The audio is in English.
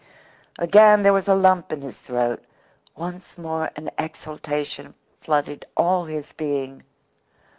Again there was a lump in his throat once more an exultation flooded all his being.